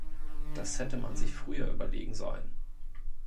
Das hätte man sich früher überlegen sollen!